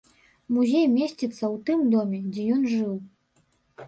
Музей месціцца ў тым доме, дзе ён жыў.